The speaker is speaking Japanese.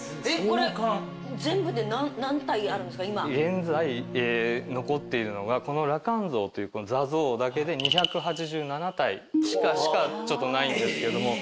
現在残っているのがこの羅漢像という坐像だけで２８７体しかないんですけども。